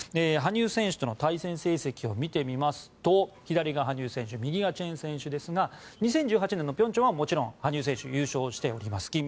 羽生選手との対戦成績を見てみますと左側、羽生選手右がチェン選手ですが２０１８年の平昌は羽生選手、優勝しております。